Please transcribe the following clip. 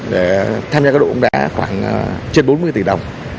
để tham gia các đội bóng đá khoảng trên bốn mươi tỷ đồng